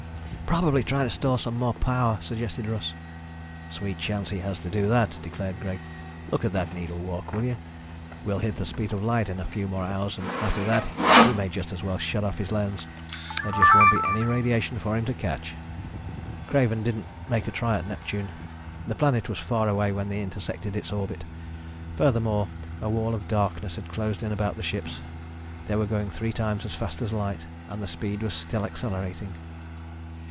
"Probably trying to store some more power," suggested Russ. "Sweet chance he has to do that," declared Greg. "Look at that needle walk, will you? We'll hit the speed of light in a few more hours and after that he may just as well shut off his lens. There just won't be any radiation for him to catch." Craven didn't make a try at Neptune. The planet was far away when they intersected its orbit ... furthermore, a wall of darkness had closed in about the ships. They were going three times as fast as light and the speed was still accelerating!